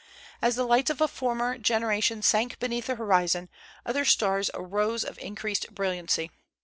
As the lights of a former generation sank beneath the horizon, other stars arose of increased brilliancy.